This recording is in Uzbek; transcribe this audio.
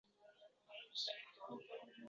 hali o‘z ona tilini yaxshi bilmagan